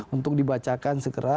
untuk dibacakan segera